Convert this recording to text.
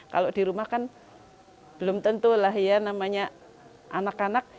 kalau di rumah kan belum tentu lah ya namanya anak anak